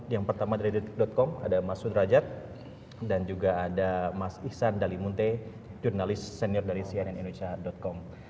yang pertama dari detik com ada mas sudrajat dan juga ada mas ihsan dalimunte jurnalis senior dari cnnindonesia com